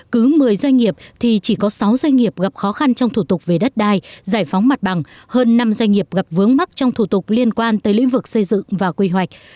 cứ một mươi doanh nghiệp thì chỉ có sáu doanh nghiệp gặp khó khăn trong thủ tục về đất đai giải phóng mặt bằng hơn năm doanh nghiệp gặp vướng mắc trong thủ tục liên quan tới lĩnh vực xây dựng và quy hoạch